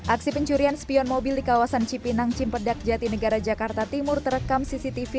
aksi pencurian spion mobil di kawasan cipinang cimpedak jatinegara jakarta timur terekam cctv